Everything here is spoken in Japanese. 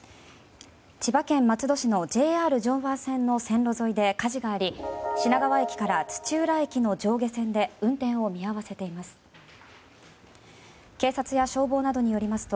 千葉県松戸市のＪＲ常磐線の線路沿いで火事があり品川駅から土浦駅の上下線で運転を見合わせています。